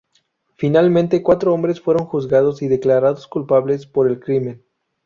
Finalmente cuatro hombres fueron juzgados y declarados culpables por el crimen.